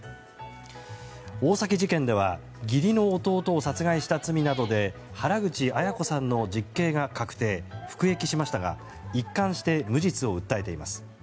大崎事件では義理の弟を殺害した罪などで原口アヤ子さんの実刑が確定服役しましたが一貫して無実を訴えています。